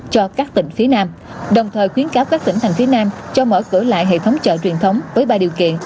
cho các tỉnh phía nam đồng thời khuyến cáo các tỉnh thành phía nam cho mở cửa lại hệ thống chợ truyền thống với ba điều kiện